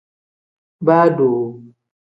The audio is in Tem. Baa doo.